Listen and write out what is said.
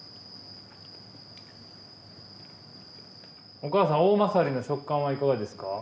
お母さんおおまさりの食感はいかがですか？